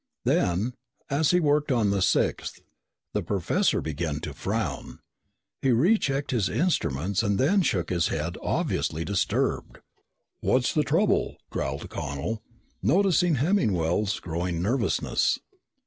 Then, as he worked on the sixth, the professor began to frown. He rechecked his instruments and then shook his head, obviously disturbed. "What's the trouble?" growled Connel, noticing Hemmingwell's growing nervousness.